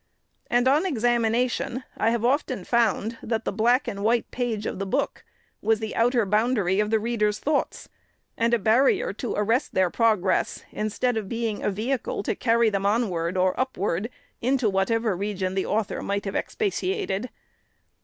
And, on examination, I have often found that the black and white page of the book was the outer boundary of the reader's thoughts, and a barrier to arrest their progress, instead of being a vehicle to carry them onward or upward into whatever region the author might have expatiated.